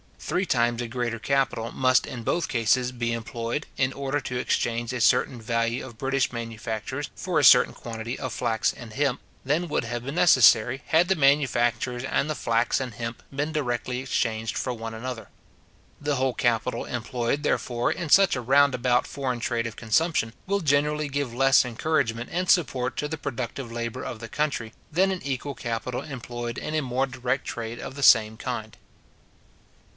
Three times a greater capital must in both cases be employed, in order to exchange a certain value of British manufactures for a certain quantity of flax and hemp, than would have been necessary, had the manufactures and the flax and hemp been directly exchanged for one another. The whole capital employed, therefore, in such a round about foreign trade of consumption, will generally give less encouragement and support to the productive labour of the country, than an equal capital employed in a more direct trade of the same kind.